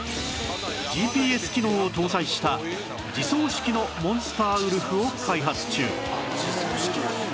ＧＰＳ 機能を搭載した自走式のモンスターウルフを開発中